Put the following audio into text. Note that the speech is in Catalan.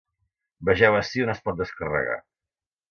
Vegeu ací on es pot descarregar.